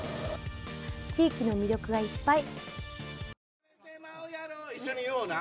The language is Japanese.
地域の魅力がいっぱい。